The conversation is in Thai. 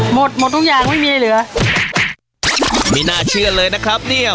หมดหมดทุกอย่างไม่มีเหลือไม่น่าเชื่อเลยนะครับเนี่ย